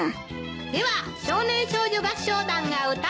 ・では少年少女合唱団が歌います。